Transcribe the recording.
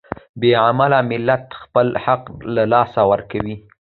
بې علمه ملت خپل حق له لاسه ورکوي.